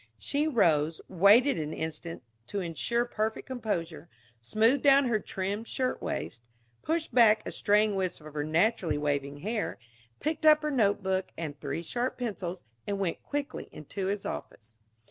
She rose, waited an instant to insure perfect composure, smoothed down her trim shirtwaist, pushed back a straying wisp of her naturally wavy hair, picked up her notebook and three sharp pencils, and went quietly into his office.